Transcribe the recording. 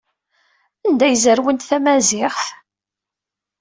Anda ay zerwent tamaziɣt?